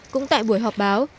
cũng tại buổi họp báo